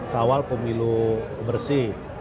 kawal pemilu bersih